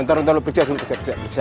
ntar ntar lu pecah pecah